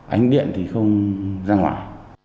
ánh điện thì không ra ngoài